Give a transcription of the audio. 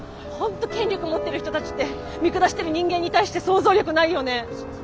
本当権力持ってる人たちって見下してる人間に対して想像力ないよね。